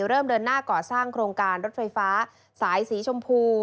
เริ่มเดินหน้าก่อสร้างโครงการรถไฟฟ้าสายสีชมพู